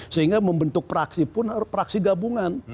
sehingga membentuk praksi pun praksi gabungan